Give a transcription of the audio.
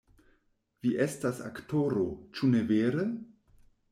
Vi estas aktoro, ĉu ne vere?